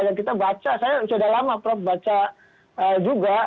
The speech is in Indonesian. dan kita baca saya sudah lama prof baca juga